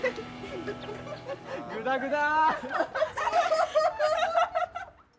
ぐだぐだ！